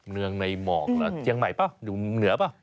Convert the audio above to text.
เมืองในหมอกที่เยี่ยงใหม่เปล่าอยู่เหนือเปล่า